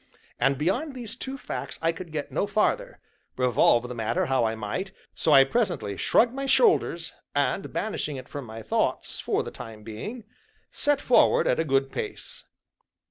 And beyond these two facts I could get no farther, revolve the matter how I might, so I presently shrugged my shoulders, and banishing it from my thoughts for the time being, set forward at a good pace.